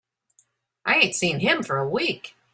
I ain't seen him for a week.